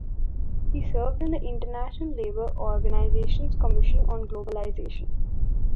He served on the International Labour Organisation's commission on globalisation.